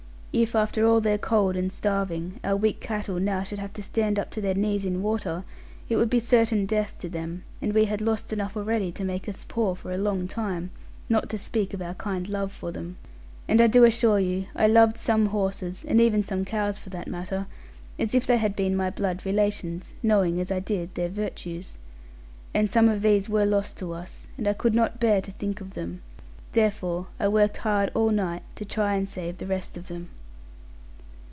If after all their cold and starving, our weak cattle now should have to stand up to their knees in water, it would be certain death to them; and we had lost enough already to make us poor for a long time; not to speak of our kind love for them. And I do assure you, I loved some horses, and even some cows for that matter, as if they had been my blood relations; knowing as I did their virtues. And some of these were lost to us; and I could not bear to think of them. Therefore I worked hard all night to try and save the rest of them.